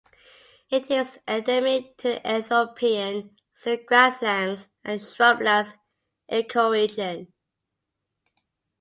It is endemic to the Ethiopian xeric grasslands and shrublands ecoregion.